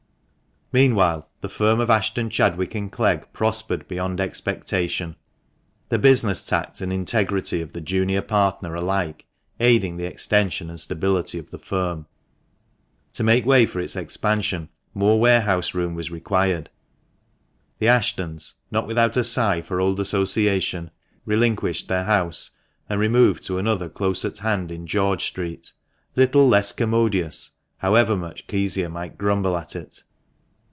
Meanwhile, the firm of Ashton, Chadwick, and Clegg prospered beyond expectation, the business tact and integrity of the junior THE MANCHESTER MAN. 439 partner alike aiding the extension and stability of the firm. To make way for its expansion more warehouse room was required. The Ashtons, not without a sigh for old association, relinquished their house, and removed to another close at hand in George Street, little less commodious, however much Kezia might grumble at it.